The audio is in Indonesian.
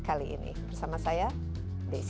kali ini bersama saya desi